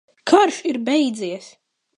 Karš ir beidzies!